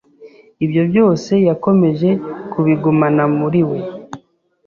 Ibyo byose yakomeje kubigumana muri we,